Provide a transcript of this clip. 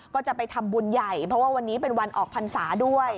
ก็จะไปทำบุญใหญ่เพราะว่าวันนี้เป็นวันออกพรรษาด้วย